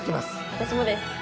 私もです。